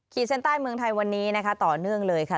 เส้นใต้เมืองไทยวันนี้นะคะต่อเนื่องเลยค่ะ